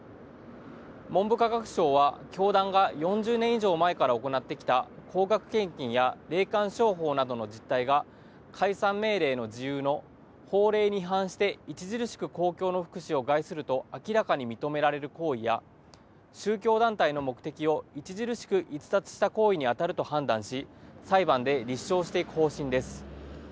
文部科学省は教団が４０年以上前から行ってきた高額献金や霊感商法などの実態が解散命令の事由の法令に違反して著しく公共の福祉を害すると明らかに認められる行為や宗教団体の目的を著しく逸脱した行為にあたると判断し裁判で立証していく方針です。